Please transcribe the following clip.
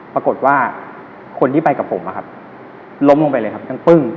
ปรากฏว่าคนที่ไปกับผมล้มลงไปเลยครับทั้งปึ้ง